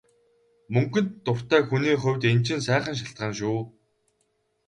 Мөнгөнд дуртай хүний хувьд энэ чинь сайхан шалтгаан шүү.